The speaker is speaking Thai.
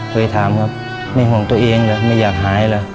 เคยถามครับไม่ห่วงตัวเองเหรอไม่อยากหายเหรอ